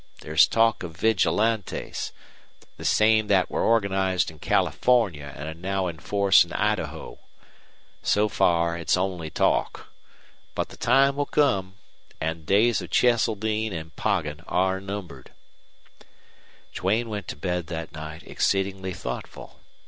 There's talk of Vigilantes, the same hat were organized in California and are now in force in Idaho. So far it's only talk. But the time will come. And the days of Cheseldine and Poggin are numbered." Duane went to bed that night exceedingly thoughtful.